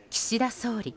総理